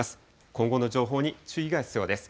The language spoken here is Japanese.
今後の情報に注意が必要です。